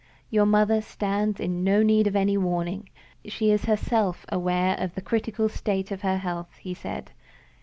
"Your mother stands in no need of any warning; she is herself aware of the critical state of her health," he said.